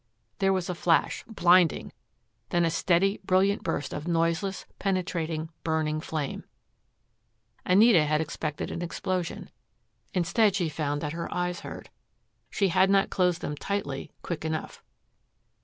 There was a flash, blinding, then a steady, brilliant burst of noiseless, penetrating, burning flame. Anita had expected an explosion. Instead she found that her eyes hurt. She had not closed them tightly quick enough.